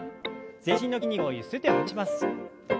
全身の筋肉をゆすってほぐします。